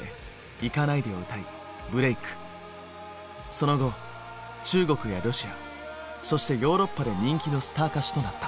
その後中国やロシアそしてヨーロッパで人気のスター歌手となった。